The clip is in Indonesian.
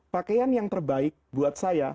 pakaian yang terbaik buat saya